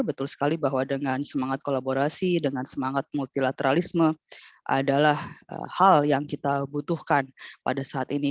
betul sekali bahwa dengan semangat kolaborasi dengan semangat multilateralisme adalah hal yang kita butuhkan pada saat ini